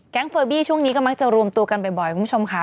เฟอร์บี้ช่วงนี้ก็มักจะรวมตัวกันบ่อยคุณผู้ชมค่ะ